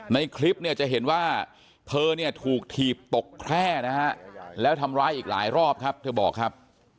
ในคลิปจะเห็นว่าเธอถูกถีบตกแคล่แล้วทำร้ายอีกหลายรอบครับเธอบอกครับ